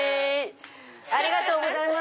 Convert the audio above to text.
ありがとうございます。